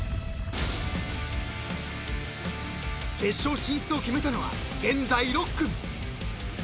［決勝進出を決めたのは現在６組］